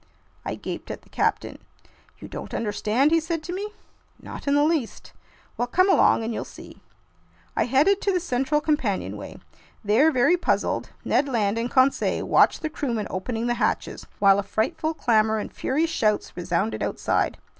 I gaped at the captain. "You don't understand?" he said to me. "Not in the least." "Well, come along and you'll see!" I headed to the central companionway. There, very puzzled, Ned Land and Conseil watched the crewmen opening the hatches, while a frightful clamor and furious shouts resounded outside.